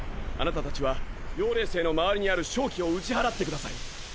あなた達は妖霊星の周りにある瘴気を打ち払ってください。